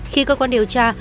khi cơ quan điều tra